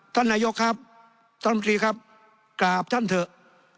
ท่านนายกครับท่านมตรีครับกราบท่านเถอะ